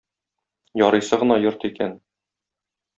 Ярыйсы гына йорт икән.